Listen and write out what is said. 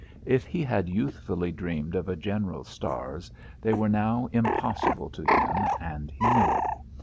If he had youthfully dreamed of a general's stars, they were now impossible to him, and he knew it.